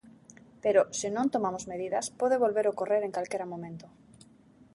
Pero, se non tomamos medidas, pode volver ocorrer en calquera momento.